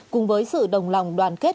cùng với sự đồng lòng đoàn kết